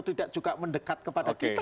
tidak juga mendekat kepada kita